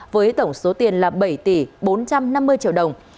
với tổng số tiền là bảy tỷ bốn trăm năm mươi triệu đồng